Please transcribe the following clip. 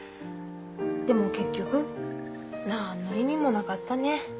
でも結局何の意味もなかったね。